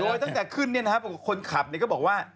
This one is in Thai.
โดยตั้งแต่ขึ้นเนี่ยนะครับคนขับเนี่ยก็บอกว่า